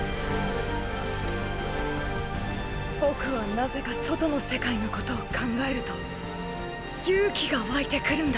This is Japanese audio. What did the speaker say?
僕はなぜか外の世界のことを考えると勇気が湧いてくるんだ。